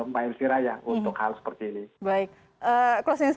pak elvira untuk hal seperti ini